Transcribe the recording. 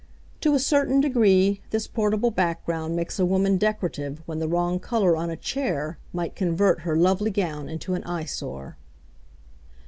To a certain degree, this portable background makes a woman decorative when the wrong colour on a chair might convert her lovely gown into an eyesore.